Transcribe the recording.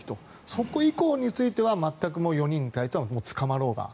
そこ以降については全く４人については捕まろうが。